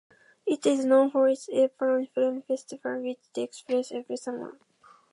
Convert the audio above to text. It is known for its European film festival which takes place every summer.